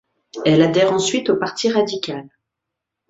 Elle adhère ensuite au parti radical.